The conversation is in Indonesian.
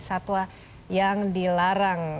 satwa yang dilarang